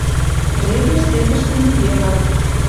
Жепеш цехӹшкӹ миделат —